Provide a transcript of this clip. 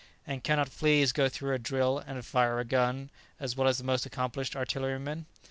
And cannot fleas go through a drill and fire a gun as well as the most accomplished artilleryman?